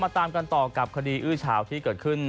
ตามกันต่อกับคดีอื้อเฉาที่เกิดขึ้น